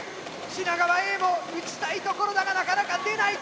品川Ａも撃ちたいところだがなかなか出ない！